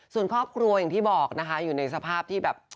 ส่วนครอบครัวอย่างที่บอกนะคะอยู่ในสภาพที่แบบ